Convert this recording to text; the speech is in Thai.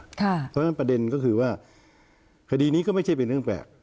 เพราะฉะนั้นประเด็นก็คือว่าคดีนี้ก็ไม่ใช่เป็นเรื่องแปลก